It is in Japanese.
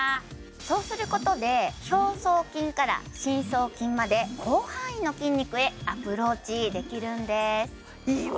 そうすることで表層筋から深層筋まで広範囲の筋肉へアプローチできるんですいいわ